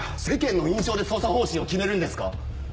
世間の印象で捜査方針を決めるんですか